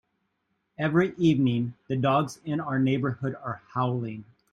Every evening, the dogs in our neighbourhood are howling.